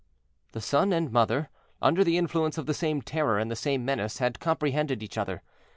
The son and mother, under the influence of the same terror and the same menace, had comprehended each other.